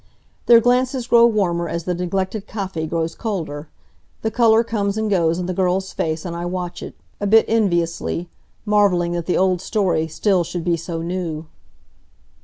Their glances grow warmer as the neglected Kaffee grows colder. The color comes and goes in the girl's face and I watch it, a bit enviously, marveling that the old story still should be so new.